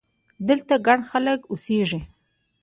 دلته ګڼ خلک اوسېږي!